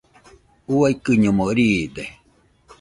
Uaikɨñomo riide.